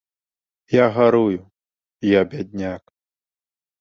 Я гарую, я бядняк.